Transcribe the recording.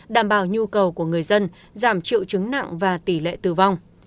đảm bảo nhu cầu của người dân giảm triệu chứng nặng và tỷ lệ tử vong